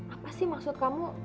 apa sih maksud kamu